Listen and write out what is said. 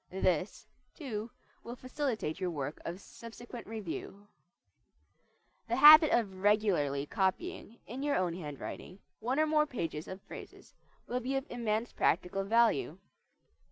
This, too, will facilitate your work of subsequent review. The habit of regularly copying, in your own handwriting, one or more pages of phrases will be of immense practical value.